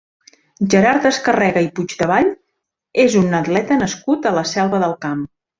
Gerard Descarrega Puigdevall és un atleta nascut a la Selva del Camp.